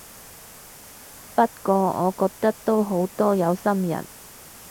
不過我覺得都好多有心人